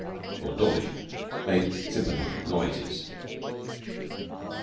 Lord Dawlish made sympathetic noises.